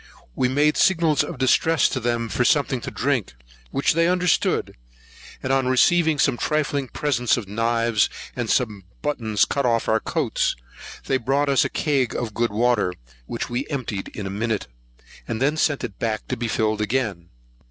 We made signals of distress to them for something to drink, which they understood; and on receiving some trifling presents of knives, and some buttons cut off our coats, they brought us a cag of good water, which we emptied in a minute, and then sent it back to be filled again.